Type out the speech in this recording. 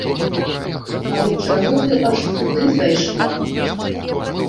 Але чаго ты аж сюды зайшла?